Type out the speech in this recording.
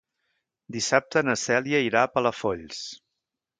Dissabte na Cèlia irà a Palafolls.